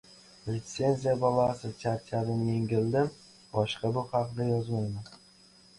«Litsenziya balosi». Charchadim, yengildim, boshqa bu haqda yozmayman...